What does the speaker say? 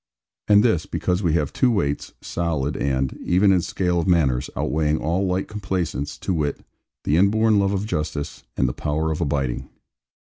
And this, because we have two weights, solid and (even in scale of manners) outweighing all light complaisance; to wit, the inborn love of justice, and the power of abiding.